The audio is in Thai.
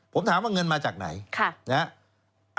ผมถามว่าเงินมาจากไหนนะฮะ